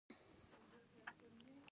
راځئ چې پښتو ډیجټالي کړو!